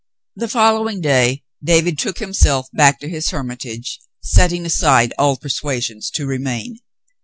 The following day David took himself back to his hermi tage, setting aside all persuasions to remain.